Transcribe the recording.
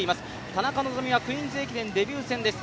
田中希実はクイーンズ駅伝デビュー戦です。